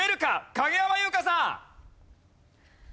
影山優佳さん。